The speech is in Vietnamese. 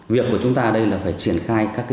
việc của chúng ta đây là phải triển khai các cái